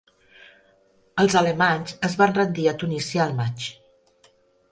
Els alemanys es van rendir a Tunísia al maig.